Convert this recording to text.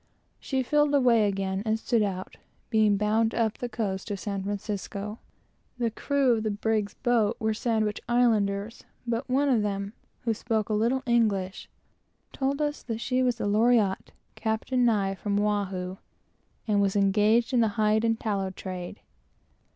She filled away again, and stood out; being bound up the coast to San Francisco. The crew of the brig's boat were Sandwich Islanders, but one of them, who spoke a little English, told us that she was the Loriotte, Captain Nye, from Oahu, and was engaged in this trade.